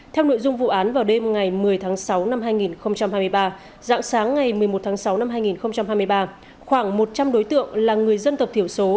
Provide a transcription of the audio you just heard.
theo nội dung vụ án vào đêm ngày một mươi tháng sáu năm hai nghìn hai mươi ba dạng sáng ngày một mươi một tháng sáu năm hai nghìn hai mươi ba khoảng một trăm linh đối tượng là người dân tộc thiểu số